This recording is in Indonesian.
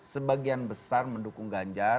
sebagian besar mendukung ganjar